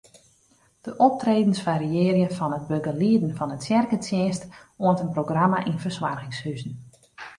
De optredens fariearje fan it begelieden fan in tsjerketsjinst oant in programma yn fersoargingshuzen.